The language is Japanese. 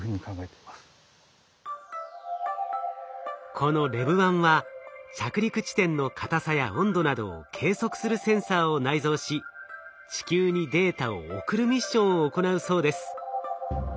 このＬＥＶ−１は着陸地点の硬さや温度などを計測するセンサーを内蔵し地球にデータを送るミッションを行うそうです。